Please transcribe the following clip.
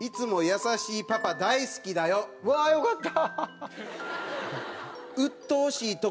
うわーよかった！